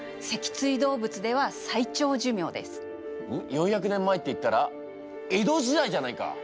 ４００年前っていったら江戸時代じゃないか！